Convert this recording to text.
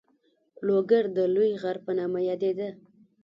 لوګر د لوی غر په نامه یادېده.